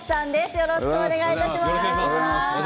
よろしくお願いします。